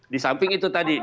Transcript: di samping itu tadi